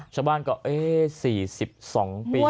ชาวบ้านก็เอ๊ตั้ง๔๒ปี